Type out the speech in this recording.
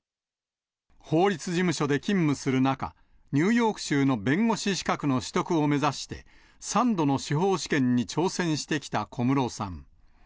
法律事務所で勤務する中、ニューヨーク州の弁護士資格の取得を目指して、３度の司法試験に挑戦してきた小室さん。